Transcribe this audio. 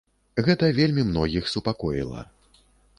Гэта вельмі многіх супакоіла.